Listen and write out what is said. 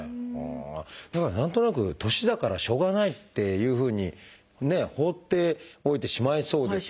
だから何となく年だからしょうがないっていうふうにね放っておいてしまいそうですけれども。